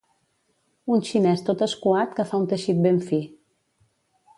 Un xinès tot escuat que fa un teixit ben fi.